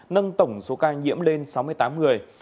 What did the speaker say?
nâng tổng số ca nhiễm lên sáu mươi tám người